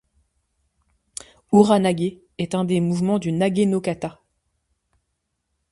Ura-Nage est un mouvement du Nage-no-kata.